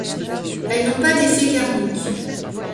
Elles n'ont pas d'effet karmique.